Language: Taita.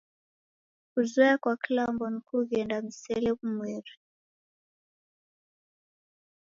Kuzoya kwa kilambo ni kughenda msele ghumweri.